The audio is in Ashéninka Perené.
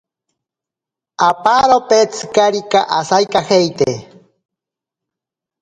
Aparope tsikarika asaikajeite.